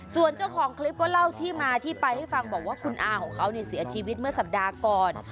ส่วนเจ้าของคลิปก็เล่าที่มาที่ไปให้ฟังบอกว่าคุณอาของเขาเสียชีวิตเมื่อสัปดาห์ก่อน